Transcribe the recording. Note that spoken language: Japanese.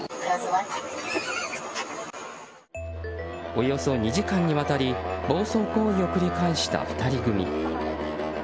およそ２時間にわたり暴走行為を繰り返した２人組。